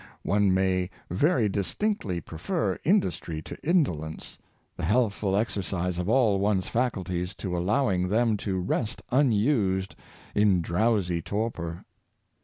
" One may very distinctly prefer industry to indolence, the health ful exercise of all one's faculties to allowing them to rest unused in drowsy torpor.